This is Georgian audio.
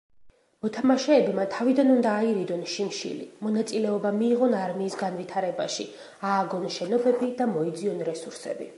მოთამაშეებმა თავიდან უნდა აირიდონ შიმშილი, მონაწილეობა მიიღონ არმიის განვითარებაში, ააგონ შენობები და მოიძიონ რესურსები.